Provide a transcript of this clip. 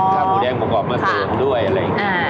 ถ้าหมูแดงประกอบมาเสริมด้วยอะไรอย่างนี้